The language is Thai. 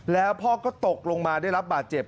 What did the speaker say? แล้วพ่อก็ตกลงมาได้รับบาดเจ็บ